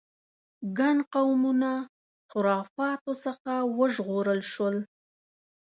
ګڼ قومونه خرافاتو څخه وژغورل شول.